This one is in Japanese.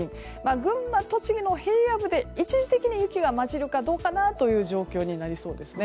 群馬、栃木の平野部で一時的に雪が交じるかどうかの状況になりそうですね。